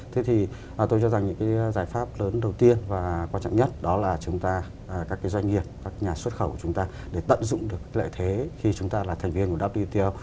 thế thì tôi cho rằng những cái giải pháp lớn đầu tiên và quan trọng nhất đó là chúng ta các cái doanh nghiệp các nhà xuất khẩu của chúng ta để tận dụng được lợi thế khi chúng ta là thành viên của wto